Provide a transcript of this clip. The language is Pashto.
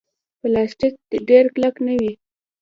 پلاستيک ډېر کلک نه وي.